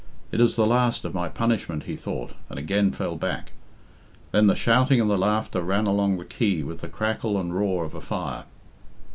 "It is the last of my punishment," he thought, and again fell back. Then the shouting and the laughter ran along the quay with the crackle and roar of a fire.